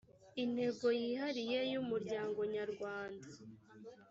intego yihariye y umuryango nyarwanda